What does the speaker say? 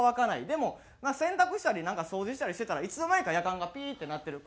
でも洗濯したりなんか掃除したりしてたらいつの間にかやかんがピーッて鳴ってる。